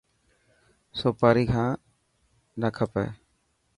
سوپاري کان نه کپي.